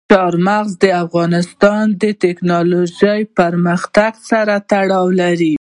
چار مغز د افغانستان د تکنالوژۍ پرمختګ سره تړاو لري.